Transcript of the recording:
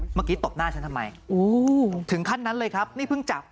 ตบหน้าฉันทำไมถึงขั้นนั้นเลยครับนี่เพิ่งจับ